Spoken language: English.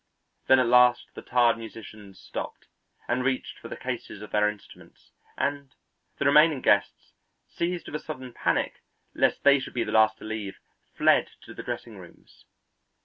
Then at last the tired musicians stopped and reached for the cases of their instruments, and the remaining guests, seized with a sudden panic lest they should be the last to leave, fled to the dressing rooms.